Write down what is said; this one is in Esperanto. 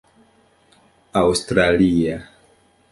aŭstralia